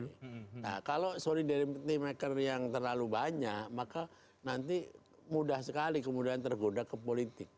nah kalau solidarity maker yang terlalu banyak maka nanti mudah sekali kemudian tergoda ke politik